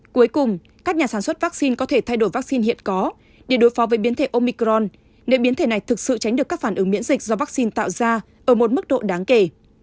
cuối cùng các nhà sản xuất vắc xin có thể thay đổi vắc xin hiện có để đối phó với biến thể omicron nếu biến thể này thực sự tránh được các phản ứng miễn dịch do vắc xin tạo ra ở một mức độ đáng kể